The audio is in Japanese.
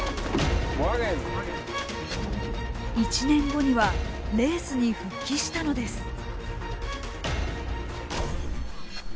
１年後にはレースに復帰したのです。